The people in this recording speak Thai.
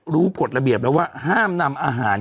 กฎระเบียบแล้วว่าห้ามนำอาหาร